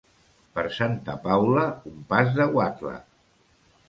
Per Santa Paula, un pas de guatla.